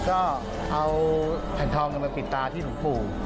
ก็เอาแผ่นทองมาปิดตาที่หลวงปู่